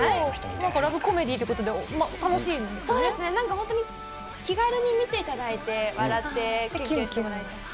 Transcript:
ラブコメディーということで、そうですね、なんか本当に気軽に見ていただいて、笑ってきゅんきゅんしてもらえたら。